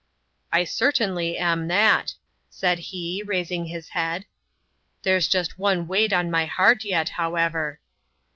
"I certainly am that," said he, raising his head. "There's just one weight on my heart yet, however."